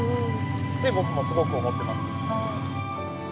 って僕もすごく思ってます。